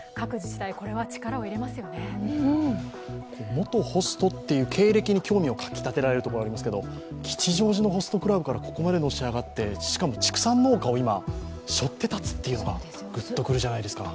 元ホストっていう経歴に興味をかき立てられるところがありますけど吉祥寺のホストクラブからここまでのし上がって、しかも畜産農家を今、背負って立つというのがグっとくるじゃないですか。